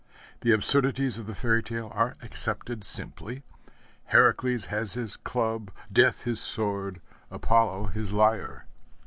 The absurdities of the fairy tale are accepted simply. Heracles has his club, Death his sword, Apollo his lyre.